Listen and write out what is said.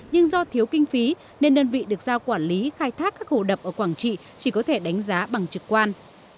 nhưng do thiếu kinh phí nên đơn vị được giao quản lý khai thác các hồ đập ở quảng trị chỉ có thể đánh giá bằng trực quan